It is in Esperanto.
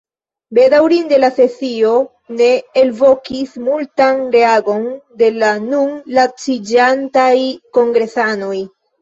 Bedaŭrinde la sesio ne elvokis multan reagon de la nun laciĝantaj kongresanoj.